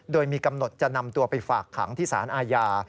โดยมีกำหนดจะนำตัวไปฝากขังที่สารอาญา